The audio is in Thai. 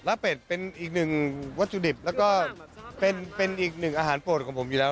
เป็ดเป็นอีกหนึ่งวัตถุดิบแล้วก็เป็นอีกหนึ่งอาหารโปรดของผมอยู่แล้ว